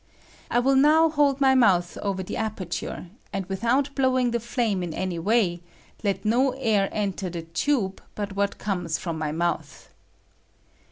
I will now hold my mouth over the aperture, and without blowing the flame in any way, let no air enter the tube but what comes from my mouth.